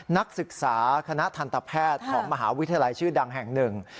นักศึกษาคณะทันตแพทย์ของมหาวิทยาลัยชื่อดังแห่งหนึ่ง